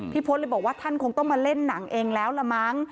พศเลยบอกว่าท่านคงต้องมาเล่นหนังเองแล้วละมั้ง